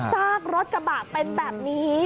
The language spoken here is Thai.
ซากรถกระบะเป็นแบบนี้